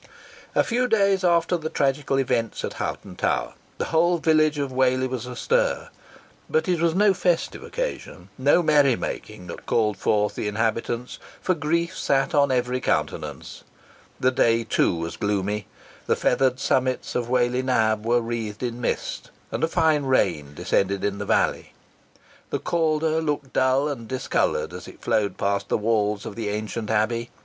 A few days after the tragical events at Hoghton Tower, the whole village of Whalley was astir. But it was no festive occasion no merry making that called forth the inhabitants, for grief sat upon every countenance. The day, too, was gloomy. The feathered summits of Whalley Nab were wreathed in mist, and a fine rain descended in the valley. The Calder looked dull and discoloured as it flowed past the walls of the ancient Abbey.